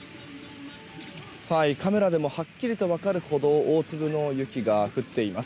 カメラでもはっきりと分かるほど大粒の雪が降っています。